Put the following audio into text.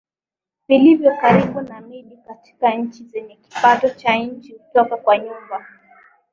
vilivyo karibu na miji katika nchi zenye kipato cha chini hutoka kwa nyumba